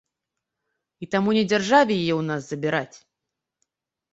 І таму не дзяржаве яе ў нас забіраць.